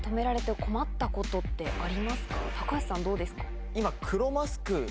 橋さんどうですか？